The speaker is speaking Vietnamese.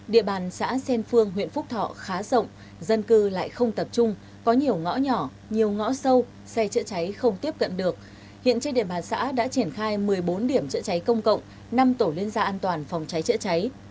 địa bàn xã xen phương huyện phúc thọ khá rộng dân cư lại không tập trung có nhiều ngõ nhỏ nhiều ngõ sâu xe chữa cháy không tiếp cận được hiện trên địa bàn xã đã triển khai một mươi bốn điểm chữa cháy công cộng năm tổ liên gia an toàn phòng cháy chữa cháy